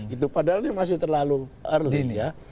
itu padahal ini masih terlalu earlyn ya